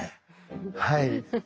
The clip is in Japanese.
はい。